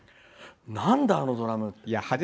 何だ、あのドラムって。